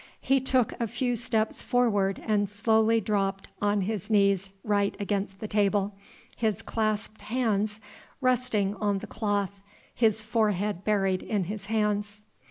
He took a few steps forward and slowly dropped on his knees right against the table, his clasped hands resting on the cloth, his forehead buried in his hands.